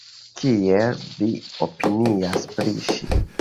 Kiel vi opinias pri ŝi?